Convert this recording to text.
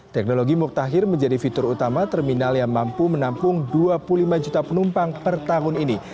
teknologi muktahir menjadi fitur utama terminal yang mampu menampung dua puluh lima juta penumpang per tahun ini